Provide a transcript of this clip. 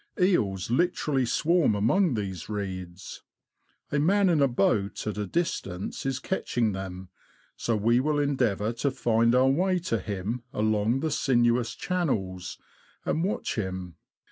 Eels literally swarm among these reeds. A man in a boat at a distance is catching them, so we will endeavour to find our way to him along the sinuous channels, and watch him.